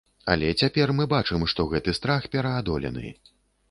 Але цяпер мы бачым, што гэты страх пераадолены.